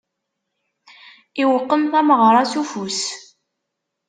Iwqem tameɣṛa s ufus.